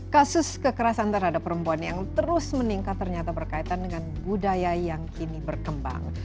kasus kekerasan terhadap perempuan yang terus meningkat ternyata berkaitan dengan budaya yang kini berkembang